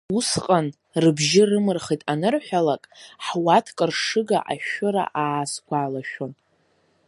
Усҟан рыбжьы рымырхит анырҳәалак, ҳуатка ршыга ашәыра аасгәалашәон.